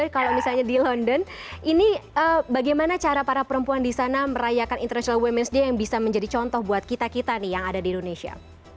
jadi kalau kita lihat di london ini bagaimana cara para perempuan di sana merayakan international women's day yang bisa menjadi contoh buat kita kita nih yang ada di indonesia